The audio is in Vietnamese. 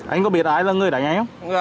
anh có biết ai là người đánh anh không